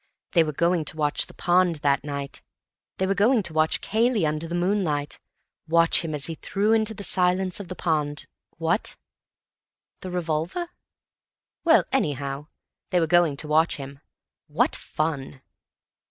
They were going to watch the pond that night; they were going to watch Cayley under the moonlight, watch him as he threw into the silence of the pond—what? The revolver? Well, anyhow, they were going to watch him. What fun!